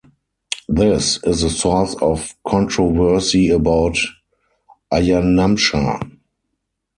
This is the source of controversy about ayanamsha.